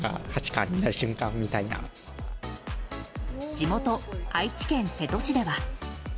地元・愛知県瀬戸市では。